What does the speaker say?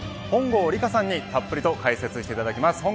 本郷理華さんにたっぷりと解説していただきます。